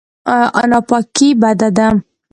ناپاکي بده ده.